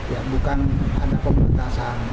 ya bukan ada pembatasan